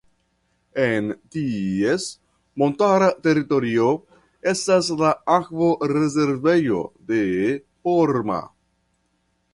En ties montara teritorio estas la Akvorezervejo de Porma.